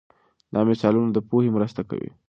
دا مثالونه د پوهې مرسته کوي.